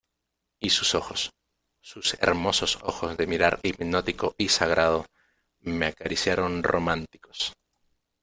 y sus ojos, sus hermosos ojos de mirar hipnótico y sagrado , me acariciaron románticos.